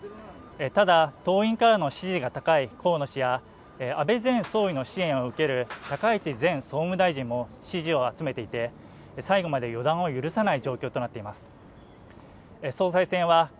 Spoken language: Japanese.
ただ党員からの支持が高い河野氏や安倍前総理の支援を受ける高市氏も支持を集めていてで最後まで予断を許さない状況となっています